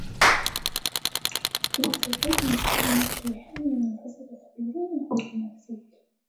إن تبين أنكِ حامل، فستخبرينه بنفسك.